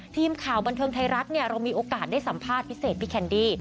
ทีมข่าวบันเทิงไทยรัฐเรามีโอกาสได้สัมภาษณ์พิเศษพี่แคนดี้